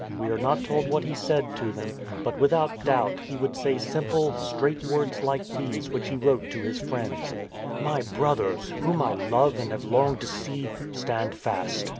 iWe are not told what he said to them, but without doubt he would say simple, straight words like these which he wrote to his friends: " My brothers, whom I love and have longed to see, stand fast.